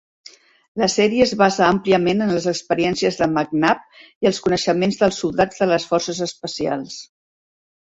La sèrie es basa àmpliament en les experiències de McNab i els coneixements dels soldats de les forces especials.